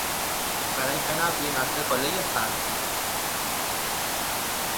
Garaipena bien arteko lehia zen.